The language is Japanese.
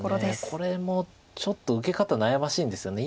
これもちょっと受け方悩ましいんですよね。